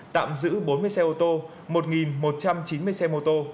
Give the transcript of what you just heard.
tạm giữ bốn mươi xe ô tô một một trăm chín mươi xe mô tô